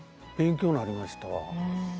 勉強になりましたわ。